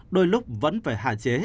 đôi lúc vẫn phải hạn chế